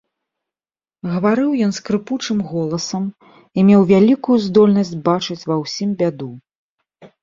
Гаварыў ён скрыпучым голасам і меў вялікую здольнасць бачыць ва ўсім бяду.